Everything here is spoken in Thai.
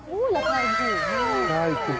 โอ้โรคารณ์ถูก